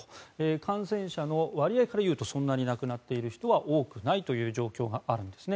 感染者の割合からいうとそんなに亡くなっている人は多くないという状況があるんですね。